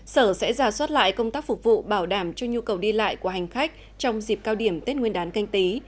sở sẽ giả soát lại công tác phục vụ bảo đảm cho nhu cầu đi lại của hành khách trong dịp cao điểm tết nguyên đán canh tí